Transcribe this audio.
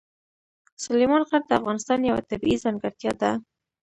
سلیمان غر د افغانستان یوه طبیعي ځانګړتیا ده.